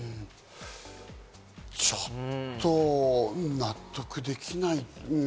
ちょっと納得できない。